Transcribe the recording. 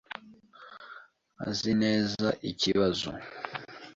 azi neza ikibazo.